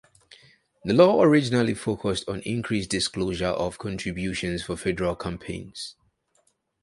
The law originally focused on increased disclosure of contributions for federal campaigns.